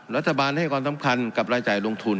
รัฐบาลให้ความสำคัญกับรายจ่ายลงทุน